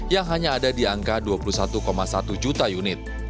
yang hanya ada di angka dua puluh satu satu juta unit